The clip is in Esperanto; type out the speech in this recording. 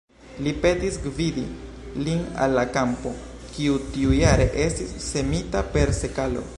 Li petis gvidi lin al la kampo, kiu tiujare estis semita per sekalo.